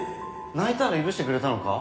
泣いたら許してくれたのか？